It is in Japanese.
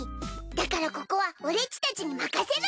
だからここは俺っちたちに任せるにゅい！